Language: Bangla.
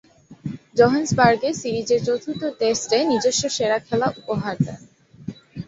জোহেন্সবার্গে সিরিজের চতুর্থ টেস্টে নিজস্ব সেরা খেলা উপহার দেন।